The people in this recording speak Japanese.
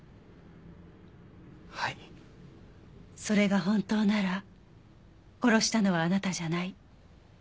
それが本当なら殺したのはあなたじゃない。